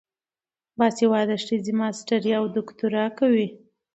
باسواده ښځې ماسټري او دوکتورا کوي.